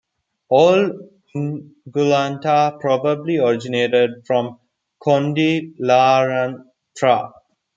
All Ungulata probably originated from Condylarthra.